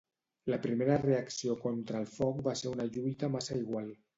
La primera reacció contra el foc va ser una lluita massa igual.